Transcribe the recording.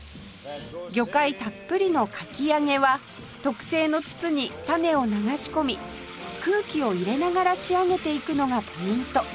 魚介たっぷりのかき揚げは特製の筒にタネを流し込み空気を入れながら仕上げていくのがポイント